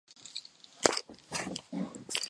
教学设施完善。